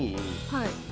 はい。